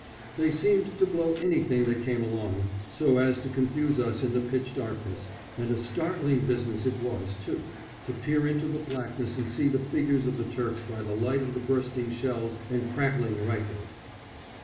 They seemed to blow anything that came along, so as to confuse us in the pitch darkness. And a startling business it was, too, to peer into the blackness and see the figures of the Turks by the light of the bursting shells and crackling rifles.